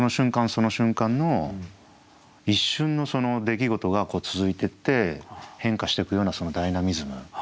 その瞬間の一瞬の出来事が続いてって変化してくようなそのダイナミズム。